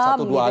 kalem gitu ya